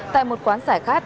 tại một quán sải khác